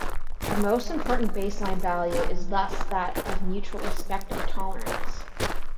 The most important baseline value is thus that of mutual respect or tolerance.